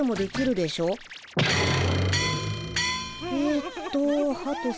えっと